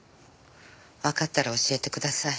わかったら教えてください。